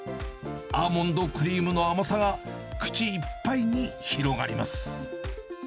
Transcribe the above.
アーモンドクリームの甘さが口いっぱいに広がります。